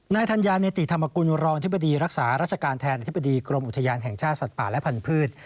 ธัญญาเนติธรรมกุลรองอธิบดีรักษาราชการแทนอธิบดีกรมอุทยานแห่งชาติสัตว์ป่าและพันธุ์